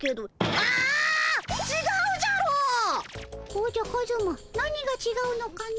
おじゃカズマなにがちがうのかの？